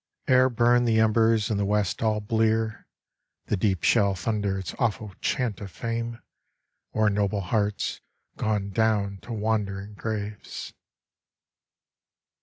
Ere burn the embers in the west all blear, The deep shall thunder its awful chant of fame O'er noble hearts gone down to wandering graves.